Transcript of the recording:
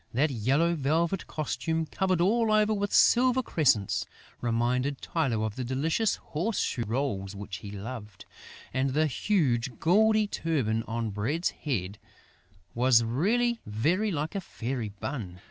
That yellow velvet costume, covered all over with silver crescents, reminded Tylô of the delicious horse shoe rolls which he loved; and the huge, gaudy turban on Bread's head was really very like a fairy bun!